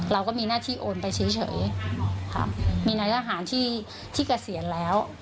เราก็มีหน้าที่โอนไปเฉยค่ะมีนายทหารที่เกษียณแล้ว